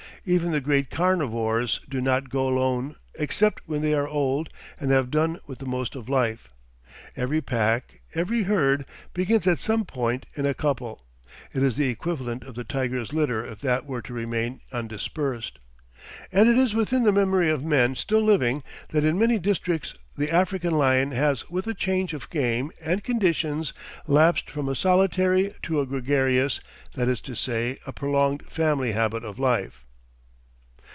Even the great carnivores do not go alone except when they are old and have done with the most of life. Every pack, every herd, begins at some point in a couple, it is the equivalent of the tiger's litter if that were to remain undispersed. And it is within the memory of men still living that in many districts the African lion has with a change of game and conditions lapsed from a "solitary" to a gregarious, that is to say a prolonged family habit of life.